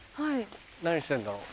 何してんだろう。